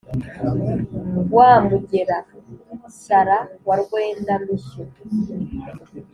wa mugera shyara wa rwenda mishyo